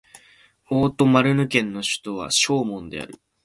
オート＝マルヌ県の県都はショーモンである